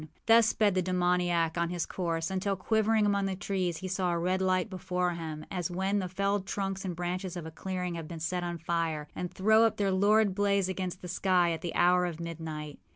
Thus sped the demoniac on his course, until, quivering among the trees, he saw a red light before him, as when the felled trunks and branches of a clearing have been set on fire, and throw up their lurid blaze against the sky, at the hour of midnight.